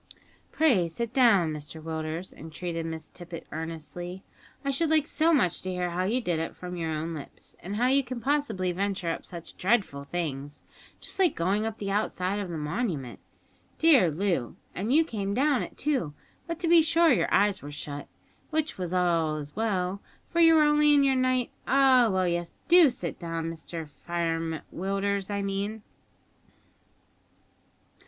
"Pray sit down, Mr Willders," entreated Miss Tippet earnestly; "I should like so much to hear how you did it from your own lips, and how you can possibly venture up such dreadful things, just like going up the outside of the Monument. Dear Loo, and you came down it, too; but, to be sure, your eyes were shut, which was as well, for you were only in your night Ah, well, yes, do sit down Mr Firem Willders, I mean."